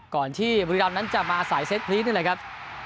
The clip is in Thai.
ก่อนที่บุรีรำนั้นจะมาอาศัยเซตพลีดนี่แหละครับ